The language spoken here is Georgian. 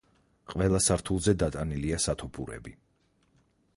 ყველა სართულზე დატანილია სათოფურები.